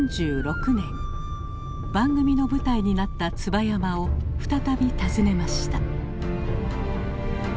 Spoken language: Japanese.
番組の舞台になった椿山を再び訪ねました。